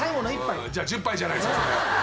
じゃあ１０杯じゃないですか。